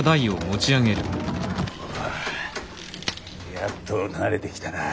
やっと慣れてきたな。